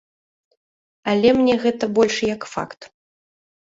Але мне гэта больш як факт.